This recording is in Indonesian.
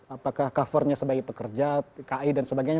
apakah covernya sebagai pekerja tki dan sebagainya